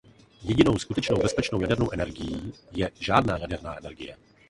Jedinou skutečně bezpečnou jadernou energií je žádná jaderná energie.